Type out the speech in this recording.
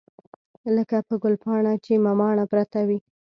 لکه په ګلپاڼه چې مماڼه پرته وي.